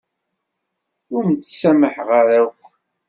Ur m-ttsamaḥeɣ ara akk.